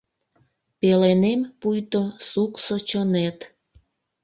Пеленем пуйто суксо чонет: